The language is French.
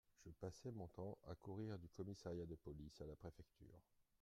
Je passais mon temps à courir du commissariat de police à la préfecture.